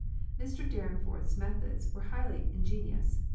Mr Dyrenforth's methods were highly ingenious.